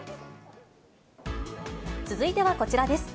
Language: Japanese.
続いてはこちらです。